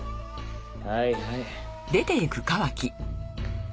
はいはい。